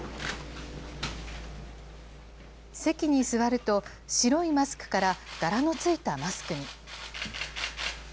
席に座ると、白いマスクから、柄のついたマスクに。